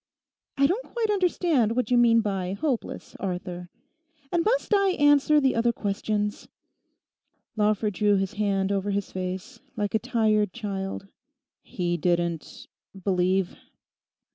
'I don't quite understand what you mean by "hopeless," Arthur. And must I answer the other questions?' Lawford drew his hand over his face, like a tired child. 'He didn't—believe?